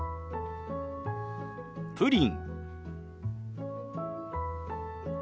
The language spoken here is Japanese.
「プリン」。